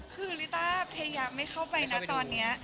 คือลิต้าพยายามไม่เข้าไปนะตอนนี้